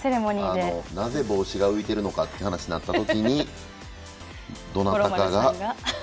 なぜ帽子が浮いているのかという話になったとき、どなたかが。